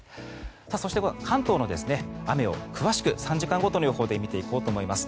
そして関東の雨を詳しく３時間ごとの予報で見ていこうと思います。